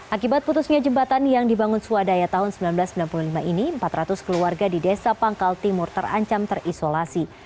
akibat putusnya jembatan yang dibangun swadaya tahun seribu sembilan ratus sembilan puluh lima ini empat ratus keluarga di desa pangkal timur terancam terisolasi